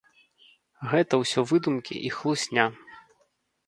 Гэта ўсё выдумкі і хлусня.